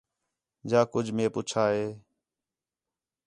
جا کُج مئے پُچّھا ہے